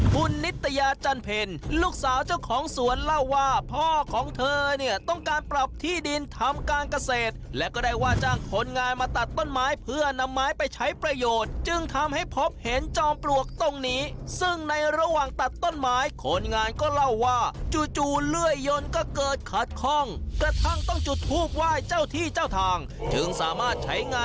คุณนิตยาจันเพ็ญลูกสาวเจ้าของสวนเล่าว่าพ่อของเธอเนี่ยต้องการปรับที่ดินทำการเกษตรและก็ได้ว่าจ้างคนงานมาตัดต้นไม้เพื่อนำไม้ไปใช้ประโยชน์จึงทำให้พบเห็นจอมปลวกตรงนี้ซึ่งในระหว่างตัดต้นไม้คนงานก็เล่าว่าจู่เลื่อยยนต์ก็เกิดขัดข้องกระทั่งต้องจุดทูบไหว้เจ้าที่เจ้าทางจึงสามารถใช้งาน